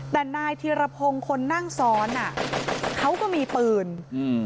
แต่นายธีรพงศ์คนนั่งซ้อนอ่ะเขาก็มีปืนอืม